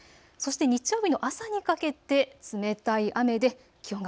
そして日曜日の朝にかけて冷たい雨です。